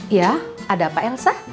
iya ada apa elsa